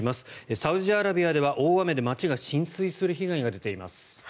サウジアラビアでは大雨で街が浸水する被害が出ています。